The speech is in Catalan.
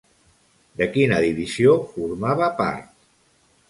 De quina divisió formava part?